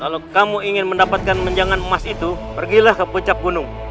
kalau kamu ingin mendapatkan menjangan emas itu pergilah ke puncak gunung